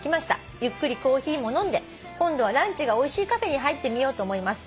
「ゆっくりコーヒーも飲んで今度はランチがおいしいカフェに入ってみようと思います」